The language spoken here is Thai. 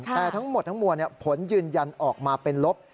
แต่ทั้งหมดทั้งมวลผลยืนยันออกมาเป็นลบ